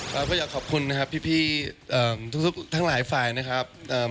เราก็อยากขอบคุณนะครับพี่ทุกทั้งหลายฝ่ายนะครับ